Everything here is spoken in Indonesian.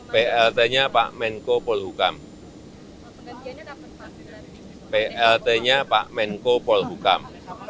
plt nya pak menko polhukam